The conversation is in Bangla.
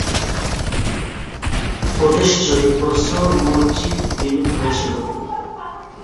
প্রদেশ জুড়ে প্রচুর মসজিদ নির্মিত হয়েছিল।